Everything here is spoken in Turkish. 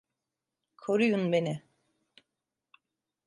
Koruyun beni!